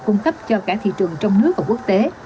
cung cấp cho cả thị trường trong nước và quốc tế